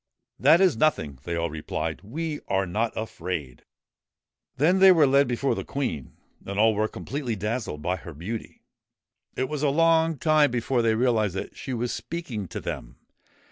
' That is nothing,' they all replied. ' We are not afraid I ' Then they were led before the Queen, and all were com pletely dazzled by her beauty. It was a long time before they realised that she was speaking to them.